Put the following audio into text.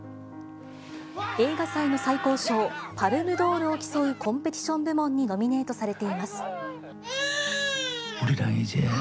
映画祭の最高賞、パルムドールを競うコンペティション部門にノミネートされています。